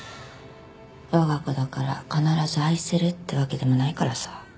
我が子だから必ず愛せるってわけでもないからさ。